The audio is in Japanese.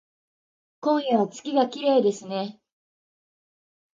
今夜は月がきれいですね